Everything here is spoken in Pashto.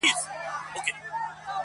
ستړے ستومانه پخپل ځان کښې حيران کړے مې دے